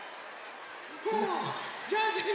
ジャンジャン